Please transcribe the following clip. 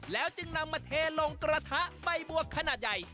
แล้วจึงนำมาเทลงกระทะใบบัวขนาดใหญ่